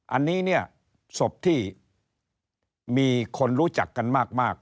อันนี้เนี่ยศพที่มีคนรู้จักกันมาก